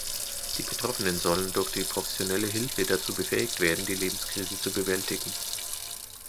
Die Betroffenen sollen durch die professionelle Hilfe dazu befähigt werden, die Lebenskrise zu bewältigen.